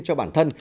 cho bản thân